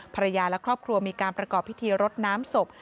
ภรรยาและครอบครัวมีการประกอบพิธีรดน้ำศพ